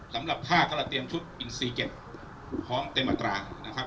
สำหรับผ้าก็เราเตรียมชุดอินซีเก็บพร้อมเต็มอัตรานะครับ